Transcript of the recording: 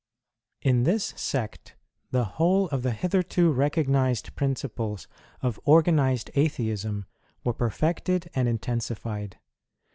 In this sect, the whole of the hitherto recognized principles of organized Atheism were perfected and intensified.